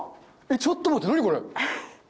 ちょっと待って何これ！